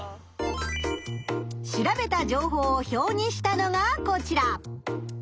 調べた情報を表にしたのがこちら。